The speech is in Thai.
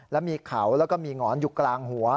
และมีเขาแล้วก็มีหงอนอยู่กลางหัว